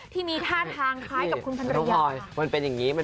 ที่มีท่าทางคล้ายกับคุณพันรยา